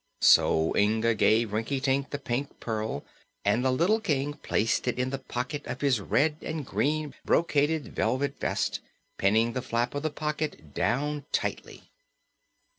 So Inga gave Rinkitink the Pink Pearl and the little King placed it in the pocket of his red and green brocaded velvet vest, pinning the flap of the pocket down tightly.